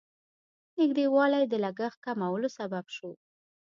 نږدېوالی د لګښت کمولو سبب شو.